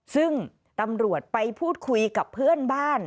ซึ่งตำรวจไปพูดคุยกับเพื่อนบ้าน